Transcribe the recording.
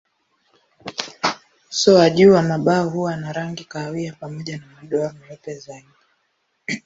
Uso wa juu wa mabawa huwa na rangi kahawia pamoja na madoa meupe zaidi.